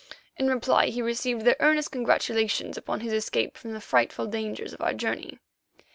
In reply he received their earnest congratulations upon his escape from the frightful dangers of our journey.